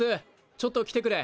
ちょっと来てくれ！